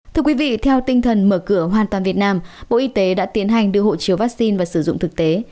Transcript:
thưa quý vị theo tinh thần mở cửa hoàn toàn việt nam bộ y tế đã tiến hành đưa hộ chiếu vaccine và sử dụng thực tế